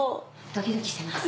ドキドキしてます。